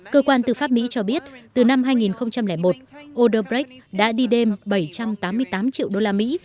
cơ quan tư pháp mỹ cho biết từ năm hai nghìn một oderbrek đã đi đêm bảy trăm tám mươi tám triệu đô la mỹ